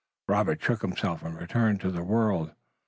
Robert shook himself and returned to the world.